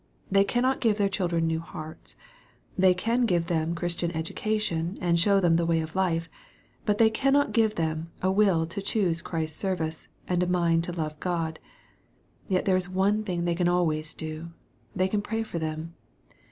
They cannot give their children new hearts. They can give them Christian education, and show them the way of life ; but they cannot give them a will to choose Christ's service, and a mind to love God. Yet there is one thing they can always do they can pray for them.